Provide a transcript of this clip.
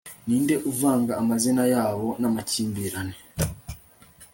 Ninde uvanga amazina yabo namakimbirane